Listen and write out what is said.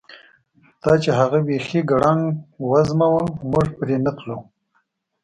دا چې هغه بیخي ګړنګ وزمه وه، موږ پرې نه تلو.